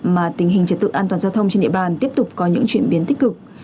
mà tình hình trật tự an toàn giao thông trên địa bàn tiếp tục có những chuyển biến tích cực